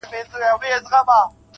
او هغه خړ انځور_